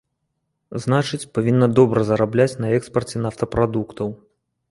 Значыць, павінна добра зарабляць на экспарце нафтапрадуктаў.